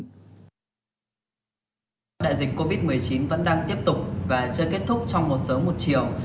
đại dịch covid một mươi chín vẫn đang tiếp tục và chưa kết thúc trong một sớm một chiều